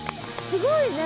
すごいね。